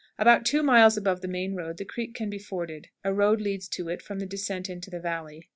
About two miles above the main road the creek can be forded; a road leads to it from the descent into the valley.